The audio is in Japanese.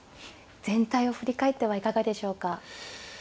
全体を振り返ってはいかがでしょうか。